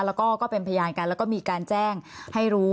แล้วก็เป็นพยานกันแล้วก็มีการแจ้งให้รู้